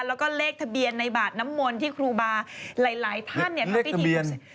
แล้วก็เลขทะเบียนในบาทน้ำมนต์ที่ครูบาหลายท่านทำพิธี